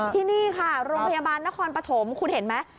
ที่นี่ค่ะโรงพยาบาลนครปฐมคุณเห็นไหม